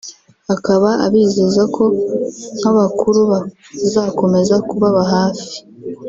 akaba abizeza ko nk’abakuru bazakomeza kubaba hafi